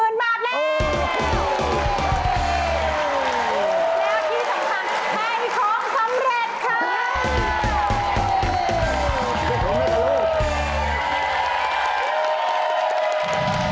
แล้วที่สำคัญให้ของสำเร็จค่ะ